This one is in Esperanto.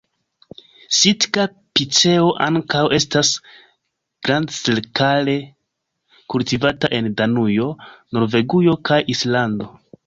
Sitka-piceo ankaŭ estas grandskale kultivita en Danujo, Norvegujo kaj Islando.